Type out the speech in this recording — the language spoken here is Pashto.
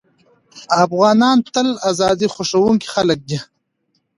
افغانان تل ازادي خوښوونکي خلک دي.